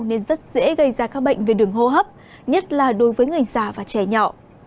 nên rất dễ gây ra các bệnh về đường hô hấp nhất là đối với người già và trẻ nhỏ